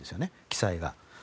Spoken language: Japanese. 記載が。